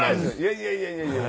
いやいやいやいや。